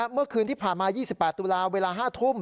เมื่อคืนที่ผ่านมา๒๘ตุลาเวลา๕ทุ่ม